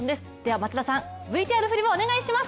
松田さん、ＶＴＲ振りをお願いします。